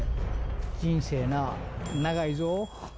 人生な、長いぞ。